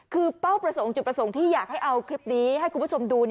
คือเป้าประสงค์จุดประสงค์ที่อยากให้เอาคลิปนี้ให้คุณผู้ชมดู